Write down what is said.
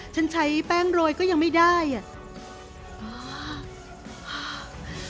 ฉันใช้แป้งโรยก็ยังไม่ได้อ่ะ